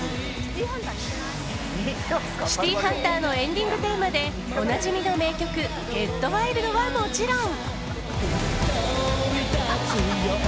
「シティーハンター」のエンディングテーマでおなじみの名曲「ＧｅｔＷｉｌｄ」はもちろん。